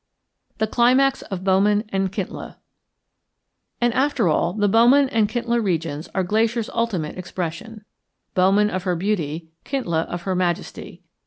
THE CLIMAX OF BOWMAN AND KINTLA And, after all, the Bowman and Kintla regions are Glacier's ultimate expression, Bowman of her beauty, Kintla of her majesty.